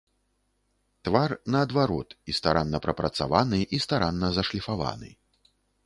Твар, наадварот, і старанна прапрацаваны, і старанна зашліфаваны.